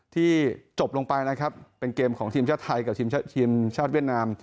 ที่จบลงไปนะครับเป็นเกมของทีมชาติไทยกับทีมชาติเวียดนาม